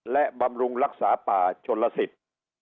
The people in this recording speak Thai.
และบำรุงรักษาป่าชนลสิทธิ์